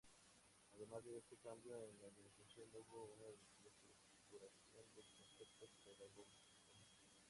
Además de este cambio en la organización, hubo una reestructuración del concepto pedagógico.